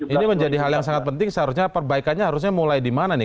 ini menjadi hal yang sangat penting seharusnya perbaikannya harusnya mulai di mana nih